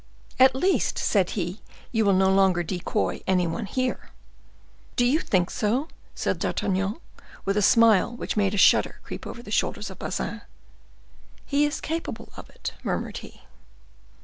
"At least," said he, "you will no longer decoy any one here." "Do you think so?" said D'Artagnan, with a smile which made a shudder creep over the shoulders of Bazin. "He is capable of it," murmured he.